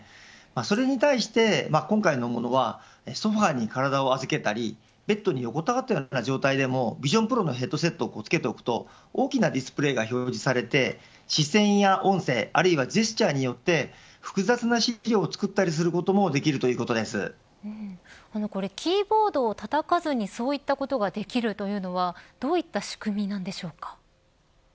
それに対して今回のものはソファーに体を預けたりベッドに横たわった状態でもビジョンプロのヘッドセットをつけておくと大きなディスプレイが表示されて視線や音声、あるいはジェスチャーによって複雑な資料を作ったりすることもキーボードをたたかずにそういったことができるというのはどういった仕組みなんでしょうか。